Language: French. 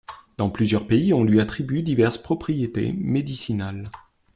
Dans plusieurs pays on lui attribue diverses propriétés médicinales.